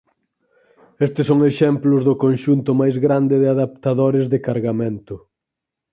Estes son exemplos do conxunto máis grande de adaptadores de cargamento.